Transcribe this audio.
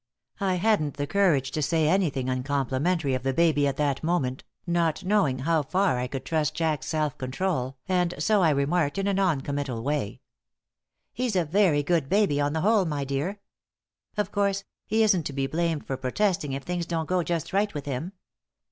I hadn't the courage to say anything uncomplimentary of the baby at that moment, not knowing how far I could trust Jack's self control, and so I remarked, in a non committal way: "He's a very good baby, on the whole, my dear. Of course, he isn't to be blamed for protesting if things don't go just right with him."